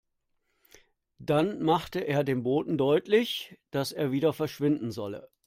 Dann machte er dem Boten deutlich, dass er wieder verschwinden solle.